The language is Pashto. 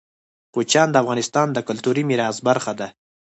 کوچیان د افغانستان د کلتوري میراث برخه ده.